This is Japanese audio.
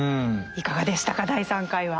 いかがでしたか第３回は。